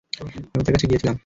আমি তার কাছে গিয়েছিলাম।